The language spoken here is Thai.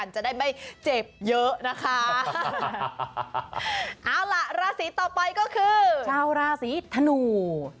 ชาวราศรีธนู